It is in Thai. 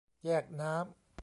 แยกน้ำ